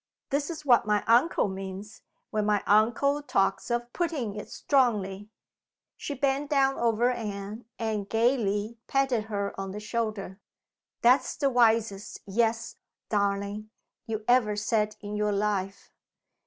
"This is what my uncle means, when my uncle talks of 'putting it strongly.'" She bent down over Anne, and gayly patted her on the shoulder. "That's the wisest 'Yes,' darling, you ever said in your life.